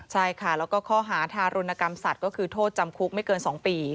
และข้อฐาโรนกรรมศัตรูก็คือโทษจำคุกไม่เกิน๒ปี